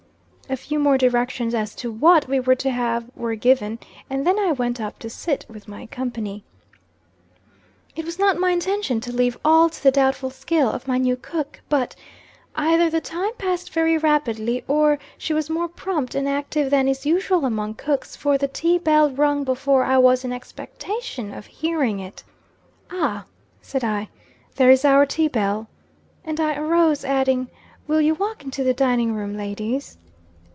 A few more directions as to what we were to have were given, and then I went up to sit with my company. It was not my intention to leave all to the doubtful skill of my new cook, but, either the time passed very rapidly, or she was more prompt and active than is usual among cooks, for the tea bell rung before I was in expectation of hearing it. "Ah," said I, "there is our tea bell," and I arose, adding, "will you walk into the dining room, ladies?"